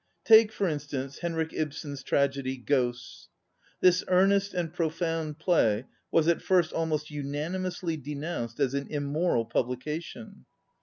Take, for instance, Henrik Ibsen's tragedy, " Ghosts." This earnest and profound play was at first almost unanimously denounced as an im moral publication.